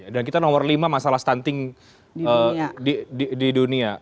dan kita nomor lima masalah stunting di dunia